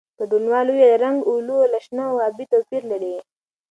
ګډونوالو وویل، رنګ "اولو" له شنه او ابي توپیر لري.